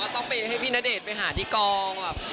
ต้องไปให้พี่ณเดชน์ไปหาที่กอง